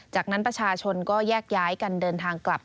จากนั้นประชาชนก็แยกย้ายกันเดินทางกลับ